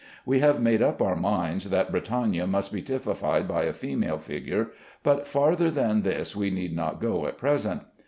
We have made up our minds that Britannia must be typified by a female figure, but farther than this we need not go at present.